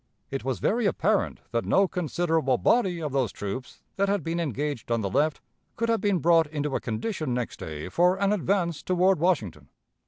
It was very apparent that no considerable body of those troops that had been engaged on the left could have been brought into a condition next day for an advance toward Washington....